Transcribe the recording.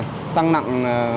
hình thức phản ứng